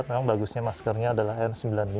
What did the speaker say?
memang bagusnya maskernya adalah n sembilan puluh lima